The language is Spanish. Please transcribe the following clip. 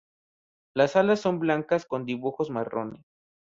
Las alas son blancas con dibujos marrones.